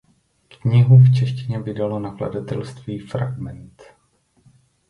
Knihu v češtině vydalo Nakladatelství Fragment.